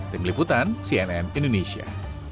tim liputan cnn indonesia